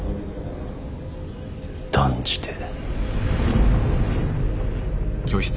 断じて。